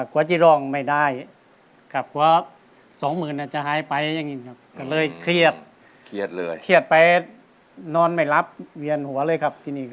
เก็บเครียดไปนอนไม่รับเวียนหัวเลยครับ